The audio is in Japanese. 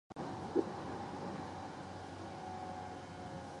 君のあげたいけれどあげたくないから渡さない